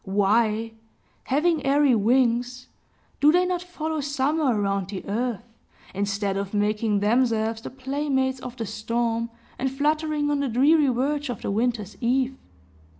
Why, having airy wings, do they not follow summer around the earth, instead of making themselves the playmates of the storm, and fluttering on the dreary verge of the winter's eve?